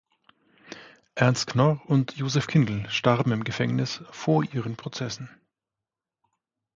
Ernst Knorr und Josef Kindel starben im Gefängnis vor ihren Prozessen.